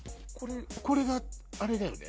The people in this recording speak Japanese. これがあれだよね。